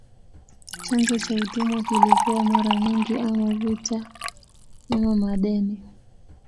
Chanzo cha utumwa kilikuwa mara nyingi ama vita ama madeni.